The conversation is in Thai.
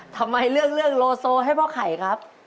ทำไมเลือกโลโซให้พ่อไข่ครับ